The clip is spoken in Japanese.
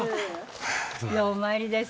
ようお参りです。